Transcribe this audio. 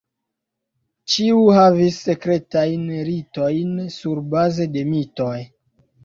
Ĉiu havis sekretajn ritojn surbaze de mitoj.